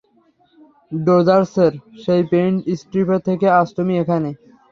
ডোযার্সের সেই paint stripper থেকে আজ তুমি এখানে।